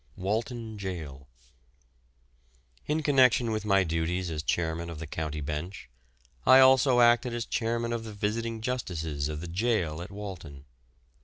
WALTON JAIL. In connection with my duties as chairman of the County Bench, I also acted as chairman of the Visiting Justices of the Jail at Walton.